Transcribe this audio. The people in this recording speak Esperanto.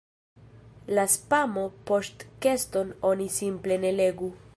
La "spamo-"poŝtkeston oni simple ne legu.